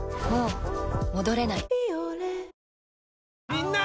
みんな！